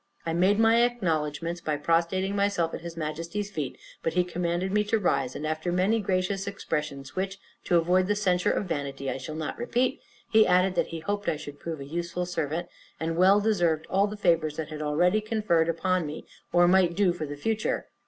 I made my acknowledgments, by prostrating myself at his Majesty's feet, but he commanded me to rise; and after many gracious expressions, which, to avoid the censure of vanity, I shall not repeat, he added that he hoped I should prove a useful servant, and well deserve all the favors he had already conferred upon me, or might do for the future.